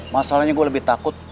masalahnya gue lebih takut